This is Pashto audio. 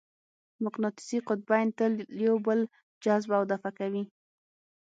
مقناطیسي قطبین تل یو بل جذب او دفع کوي.